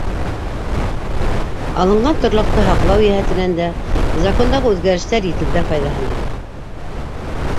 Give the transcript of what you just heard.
Алынған торлаҡты һаҡлау йәһәтенән дә закондағы үҙгәрештәр етемдәр файҙаһына.